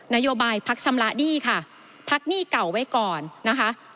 นโยบายพักชำระหนี้ค่ะพักหนี้เก่าไว้ก่อนนะคะ